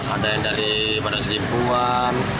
ada yang dari pada selipuan